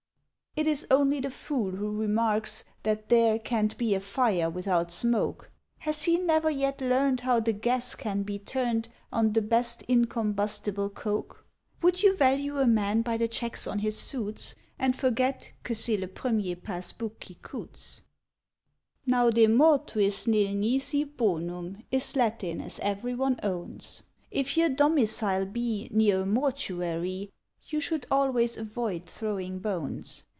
It is only the Fool who remarks That there Can't be a Fire without Smoke; Has he never yet learned How the gas can be turned On the best incombustible coke? (Would you value a man by the checks on his suits, And forget "que c'est le premier passbook qui Coutts?") Now "De Mortuis Nil Nisi Bo num," is Latin, as ev'ryone owns; If your domicile be Near a Mortuaree, You should always avoid throwing bones.